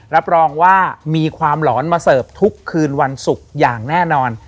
รับรองว่ามีความหลอนมาเสิร์ฟทุกคืนวันศุกร์อย่างแน่นอน